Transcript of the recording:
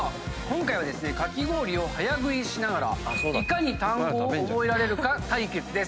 今回はですねかき氷を早食いしながらいかに単語を覚えられるか対決です。